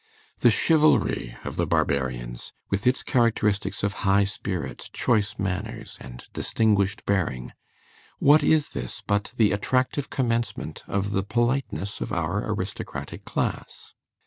The chivalry of the Barbarians, with its characteristics of high spirit, choice manners, and distinguished bearing, what is this but the attractive commencement of the politeness of our aristocratic class?